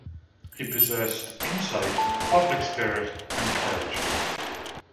He possessed insight, public spirit, and courage.